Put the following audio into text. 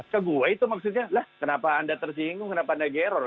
ke gue itu maksudnya lah kenapa anda tersinggung kenapa anda gerror